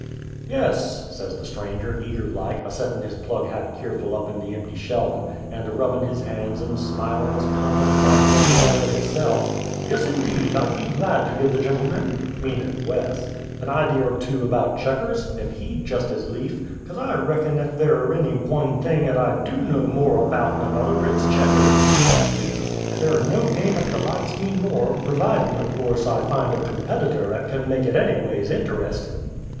"Yes," says the stranger, eager like, a settin' his plug hat keerful' up in the empty shelvin', and a rubbin' his hands and smilin' as confident like as old Hoyle hisse'f, "Yes, indeed, I'd be glad to give the gentleman" (meanin' Wes) "a' idy er two about Checkers ef he'd jest as lief, 'cause I reckon ef there're any one thing 'at I do know more about 'an another, it's Checkers," says he; "and there're no game 'at delights me more pervidin', o' course, I find a competiter 'at kin make it anyways inte_rest_in'."